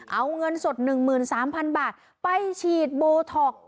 เอาเงินสด๑๓๐๐๐บาทไปฉีดโบท็อกซ์